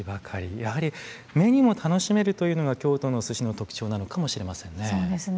やはり目にも楽しめるというのが京都の寿司の特徴なのかもしれませんね。